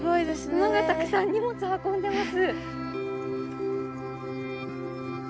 馬がたくさん荷物運んでます。